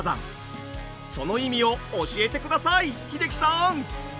その意味を教えてください英樹さん。